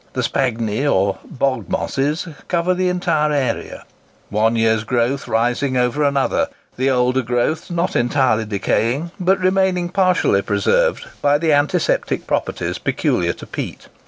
The spagni, or bog mosses, cover the entire area; one year's growth rising over another,—the older growths not entirely decaying, but remaining partially preserved by the antiseptic properties peculiar to peat.